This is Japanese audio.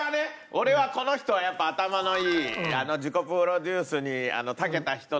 俺はこの人はやっぱ頭のいい自己プロデュースに長けた人なので。